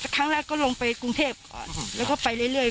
ครั้งค่ะไปลงไปกูงเทพเวก็ไปเรื่อย